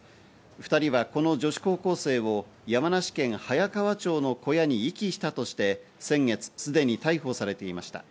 ２人はこの女子高校生を山梨県早川町の小屋に遺棄したとして、先月すでに逮捕されていました。